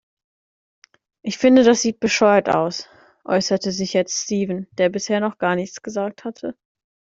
"Ich finde, das sieht bescheuert aus", äußerte sich jetzt Steven, der bisher noch gar nichts gesagt hatte.